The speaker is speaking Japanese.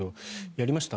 やりました？